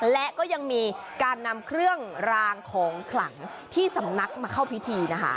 และก็ยังมีการนำเครื่องรางของขลังที่สำนักมาเข้าพิธีนะคะ